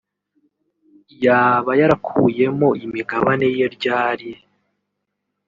yaba yarakuyemo imigabane ye ryari